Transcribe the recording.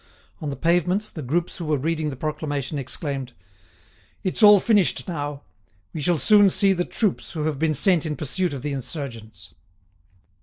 On the pavements, the groups who were reading the proclamation exclaimed: "It's all finished now; we shall soon see the troops who have been sent in pursuit of the insurgents."